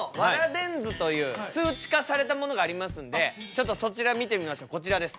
電図という数値化されたものがありますんでちょっとそちら見てみましょうこちらです。